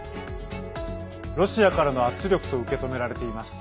ロシアからの圧力と受け止められています。